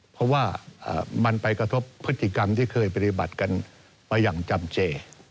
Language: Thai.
เพราะว่ามันไปกระทบพฤติกรรมที่เคยปฏิบัติกันมาอย่างจำเจ